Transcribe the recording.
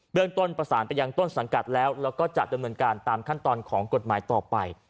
เรื่องต้นประสานไปยังต้นสังกัดแล้วแล้วก็จะดำเนินการตามขั้นตอนของกฎหมายต่อไป